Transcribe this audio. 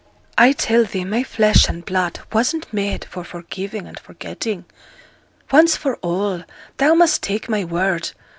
'I tell thee my flesh and blood wasn't made for forgiving and forgetting. Once for all, thou must take my word.